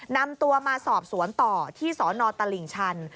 นำตัวมาสอบสวนต่อที่สนตลิ่งชัน